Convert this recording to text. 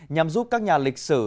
nhằm giúp các nhà lịch sử